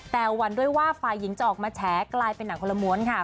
แต่หวั่นด้วยว่าฝ่ายหญิงจะออกมาแฉกลายเป็นหนังคนละม้วนค่ะ